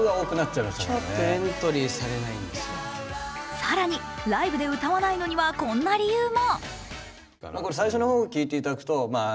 更に、ライブで歌わないのにはこんな理由も。